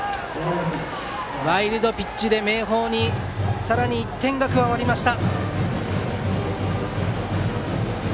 ワイルドピッチで明豊にさらに１点が加わりました。